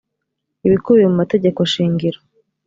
ibikubiye mu mategeko shingiro